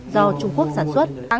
do trung quốc sản xuất